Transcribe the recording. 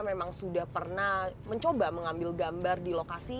memang sudah pernah mencoba mengambil gambar di lokasi